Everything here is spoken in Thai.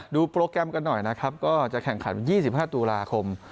โปรแกรมกันหน่อยนะครับก็จะแข่งขัน๒๕ตุลาคม